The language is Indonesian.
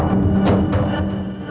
aku mau ke rumah